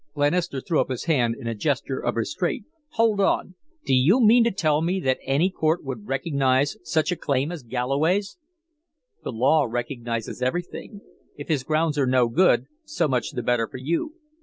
Glenister threw up his hand in a gesture of restraint. "Hold on! Do you mean to tell me that any court would recognize such a claim as Galloway's?" "The law recognizes everything. If his grounds are no good, so much the better for you."